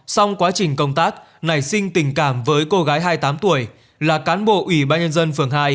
xong quá trình công tác nảy sinh tình cảm với cô gái hai mươi tám tuổi là cán bộ ủy ban nhân dân phường hai